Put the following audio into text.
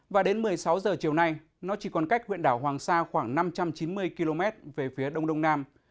và đến một mươi sáu giờ chiều nay nó chỉ còn cách huyện đảo hoàng sa khoảng năm trăm chín mươi km về phía đông đông nam